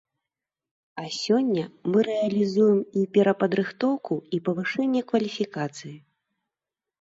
А сёння мы рэалізуем і перападрыхтоўку і павышэнне кваліфікацыі.